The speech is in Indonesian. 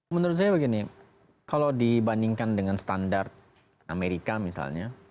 menurut saya begini kalau dibandingkan dengan standar amerika misalnya